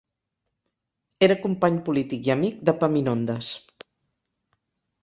Era company polític i amic d'Epaminondes.